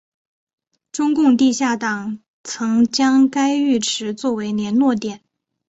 中共地下党曾将该浴池作为联络点。